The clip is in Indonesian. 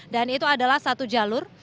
dan itu adalah satu jalur